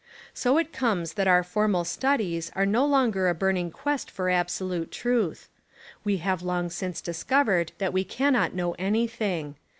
So it comes that our formal studies are no lon ger a burning quest for absolute truth. We have long since discovered that we cannot know anything.